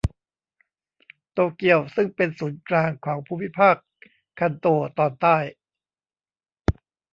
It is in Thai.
โตเกียวซึ่งเป็นศูนย์กลางของภูมิภาคคันโตตอนใต้